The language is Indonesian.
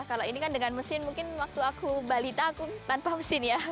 kalau ini kan dengan mesin mungkin waktu aku balita aku tanpa mesin ya